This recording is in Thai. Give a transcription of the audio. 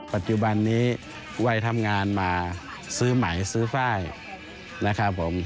ปัจจุบันนี้วัยทำงานมาซื้อไหมซื้อไฟล์นะครับผม